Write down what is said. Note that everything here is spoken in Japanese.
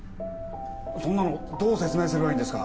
そんなのどう説明すればいいんですか？